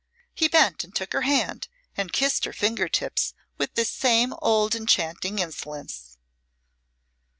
He bent and took her hand and kissed her finger tips with this same old enchanting insolence.